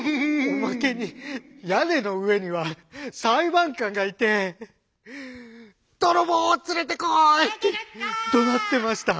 「おまけに屋根の上には裁判官がいて『泥棒を連れてこい』ってどなってました」。